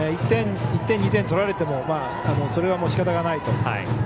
１点、２点取られてもそれはしかたがないと。